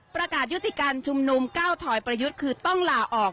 ประกาศยุติการชุมนุมก้าวถอยประยุทธ์คือต้องลาออก